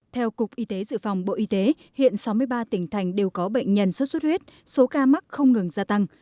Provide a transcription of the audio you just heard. theo cục y tế dự phòng bộ y tế hiện sáu mươi ba tỉnh thành đều có bệnh nhân xuất xuất huyết số ca mắc không ngừng gia tăng